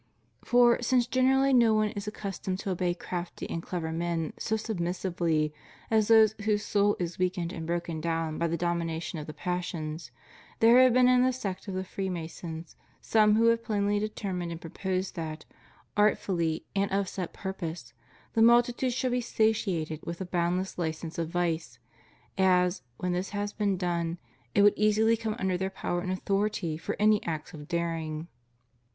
For FREEMASONRY. 95 since generally no one is accustomed to obey crafty and clever men so submissively as those whose soul is weak ened and broken down by the domination of the passions, there have been in the sect of the Freemasons some who have plainly determined and proposed that, artfully and of set purpose, the multitude should be satiated with a boundless license of vice, as, when this had been done, it would easily come undey their power and authority for any acts of daring.